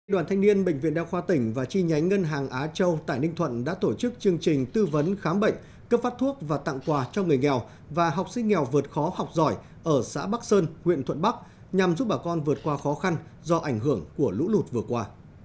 đoàn thanh niên bệnh viện đa khoa tỉnh và chi nhánh ngân hàng á châu tại ninh thuận đã tổ chức chương trình tư vấn khám bệnh cấp phát thuốc và tặng quà cho người nghèo và học sinh nghèo vượt khó học giỏi ở xã bắc sơn huyện thuận bắc nhằm giúp bà con vượt qua khó khăn do ảnh hưởng của lũ lụt vừa qua